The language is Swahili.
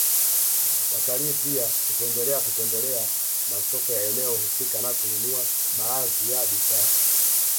Watalii pia hupendelea kutembelea masoko ya eneo husika na kununua baadhi ya bidhaa